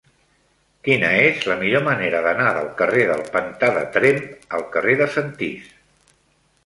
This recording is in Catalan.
Quina és la millor manera d'anar del carrer del Pantà de Tremp al carrer de Sentís?